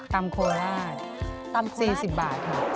ตำโคลาศ๔๐บาทค่ะ